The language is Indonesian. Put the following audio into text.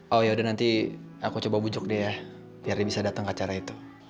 oh yaudah nanti aku coba bujuk deh ya biar dia bisa datang ke acara itu